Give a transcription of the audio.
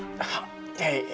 jadi dikira dia nyurik motor